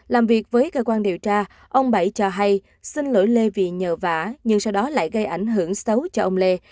làm việc với cơ quan điều tra ông bảy cho hay sinh lửa lê vì nhờ vả nhưng sau đó lại gây ảnh hưởng xấu cho ông lê